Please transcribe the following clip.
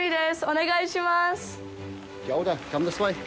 お願いします。